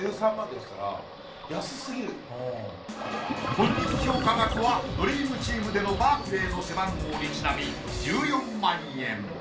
本人評価額はドリームチームでのバークレーの背番号にちなみ１４万円。